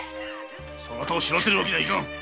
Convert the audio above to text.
そなたを死なせるわけにはいかん。